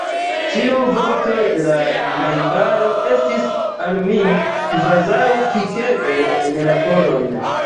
Ĉiu vorto de la najbaro estis al mi kvazaŭ pikego en la koron.